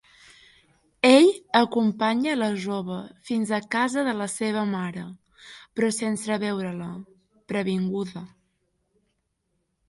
Ell acompanya la jove fins a casa de la seva mare però sense veure-la, previnguda.